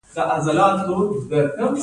آیا مخابراتي شرکتونه انحصار کوي؟